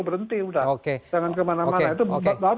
berhenti udah oke jangan kemana mana